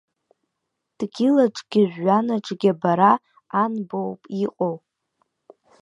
Дгьыл аҿгьы жәҩан аҿгьы бара, ан боуп иҟоу.